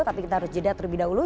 tapi kita harus jeda terlebih dahulu